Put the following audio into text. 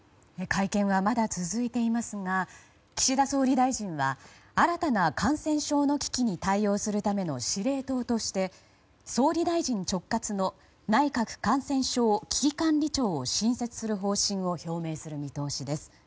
会見はまだ続いていますが岸田総理大臣は新たな感染症の危機に対応するための司令塔として、総理大臣直轄の内閣感染症危機管理庁を新設する方針を表明する見通しです。